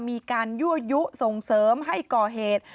มีการยั่วยุส่งเสริมให้ก่อเหตุ